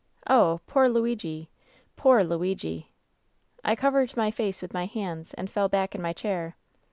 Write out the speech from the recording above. Oh, poor Luigi ! Poor Luigi !' I covered my face with my hands and fell back in my chair.